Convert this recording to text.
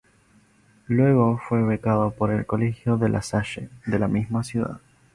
Luego fue becado por el Colegio de ‘La Salle’ de la misma ciudad.